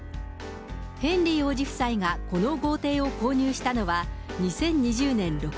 ヘンリー王子夫妻がこの豪邸を購入したのは２０２０年６月。